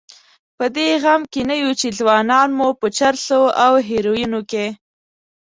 په دې غم کې نه یو چې ځوانان مو په چرسو او هیرویینو کې.